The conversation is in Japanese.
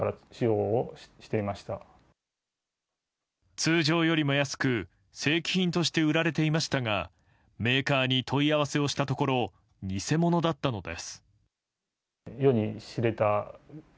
通常よりも安く正規品として売られていましたがメーカーに問い合わせをしたところ偽物だったのです。